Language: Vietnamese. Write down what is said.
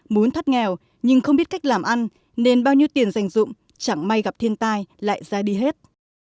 muốn thoát nghèo nhưng không biết cách làm ăn nên bao nhiêu tiền dành dụng chẳng may gặp thiên tai lại ra đi hết